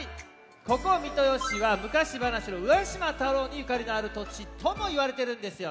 ここ三豊市はむかしばなしの「浦島太郎」にゆかりのあるとちともいわれてるんですよね。